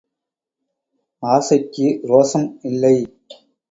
ஆசைக்கு ரோசம் இல்லை.